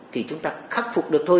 thì chúng ta khắc phục được thôi